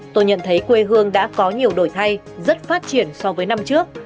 tôi nhận thấy quê hương đã có nhiều đổi thay rất phát triển so với năm trước